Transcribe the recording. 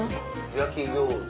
焼き餃子